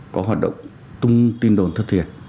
có hoạt động tung tin đồn thất thiệt